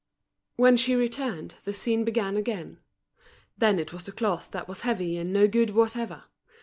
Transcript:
When she returned, the scene began again. Then it was the cloth that was heavy and no good whatever.